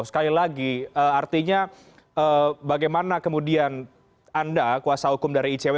sekali lagi artinya bagaimana kemudian anda kuasa hukum dari icw